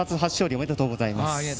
ありがとうございます。